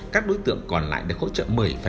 các đối tượng còn lại được hỗ trợ một mươi